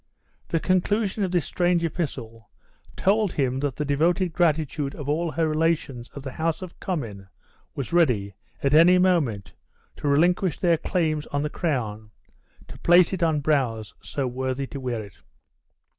The conclusion of this strange epistle told him that the devoted gratitude of all her relations of the house of Cummin was ready, at any moment, to relinquish their claims on the crown, to place it on brows so worthy to wear it.